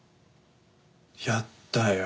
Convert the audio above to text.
やったよ。